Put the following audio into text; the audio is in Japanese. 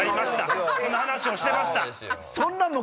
その話をしてました。